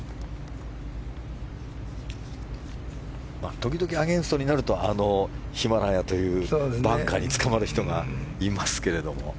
時々アゲンストになるとヒマラヤというバンカーにつかまる人がいますけど。